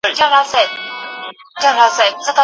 هر ثبت شوی ږغ پښتو ته ګټه رسوي.